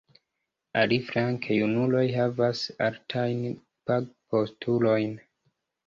Aliflanke, junuloj havas altajn pagpostulojn.